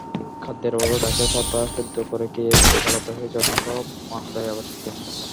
খাদ্যের অভাবে গাছের পাতা সেদ্ধ করে খেয়ে দিন কাটাতে হয়েছে অসংখ্য মাদায়াবাসীকে।